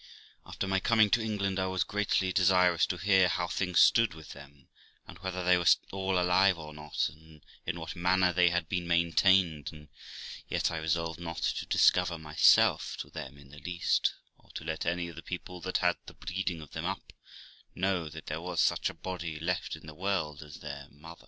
After my coming to England I was greatly desirous to hear how things stood with them, and whether they were all alive or not, and in what manner they had been maintained ; and yet I resolved not to discover myself to them in the least, or to let any of the people that had the breeding of them up, know that there was such a body left in the world as their mother.